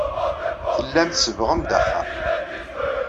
Tellam tsebbɣem-d axxam.